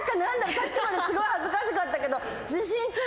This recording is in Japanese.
さっきまですごい恥ずかしかったけど。